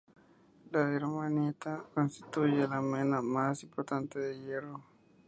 La hematita constituye la mena más importante de hierro.